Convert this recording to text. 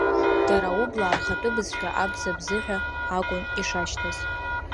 Дара аублаа рхатәы бызшәа абза бзы ҳәа, акәын ишашьҭаз.